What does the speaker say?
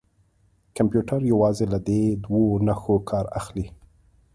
کمپیوټر یوازې له دې دوو نښو کار اخلي.